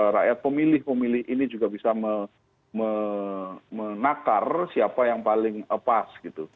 rakyat pemilih pemilih ini juga bisa menakar siapa yang paling pas gitu